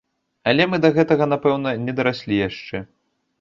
Але мы да гэтага, напэўна, не дараслі яшчэ.